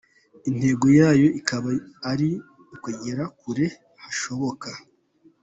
Intego yayo ikaba ari ukugera kure hashoboka.